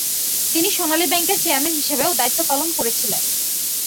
তিনি সোনালী ব্যাংকের চেয়ারম্যান হিসাবেও দায়িত্ব পালন করেছিলেন।